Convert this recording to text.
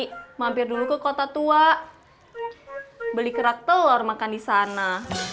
mampir dulu ke kota tua beli kerak telur makan di sana